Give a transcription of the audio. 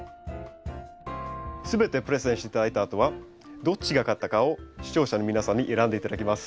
全てプレゼンして頂いたあとはどっちが勝ったかを視聴者の皆さんに選んで頂きます。